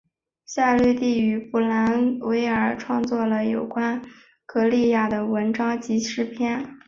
夏绿蒂与布伦威尔创作了有关安格利亚的文章及诗篇。